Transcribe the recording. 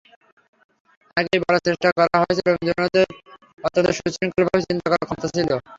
আগেই বলার চেষ্টা করা হয়েছে রবীন্দ্রনাথের অত্যন্ত সুশৃঙ্খলভাবে চিন্তা করার ক্ষমতা ছিল।